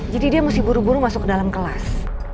jadi dia mesti buru buru masuk ke dalam kelas